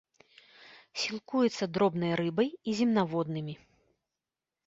Сілкуецца дробнай рыбай і земнаводнымі.